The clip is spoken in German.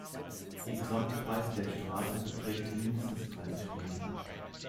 Die Gesamtbreite der Straßen beträgt mindestens dreißig Meter.